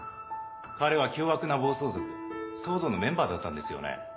彼は凶悪な暴走族ＳＷＯＲＤのメンバーだったんですよね。